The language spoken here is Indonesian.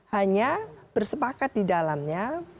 hanya bersepakat di dalamnya